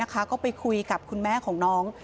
ก็ไปคุยกับคุณแม่ของน้อง